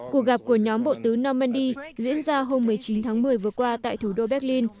cuộc gặp của nhóm bộ tứ normandy diễn ra hôm một mươi chín tháng một mươi vừa qua tại thủ đô berlin